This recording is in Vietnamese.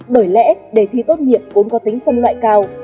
bởi lẽ để thi tốt nghiệp cũng có tính phân loại cao